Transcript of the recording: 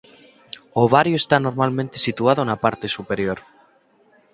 O ovario está normalmente situado na parte superior.